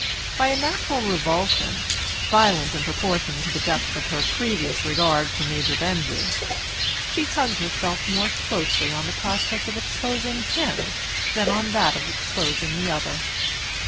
By a natural revulsion, violent in proportion to the depth of her previous regard for Major Benjy, she hugged herself more closely on the prospect of exposing him than on that of exposing the other.